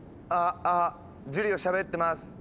ああジュリオしゃべってます。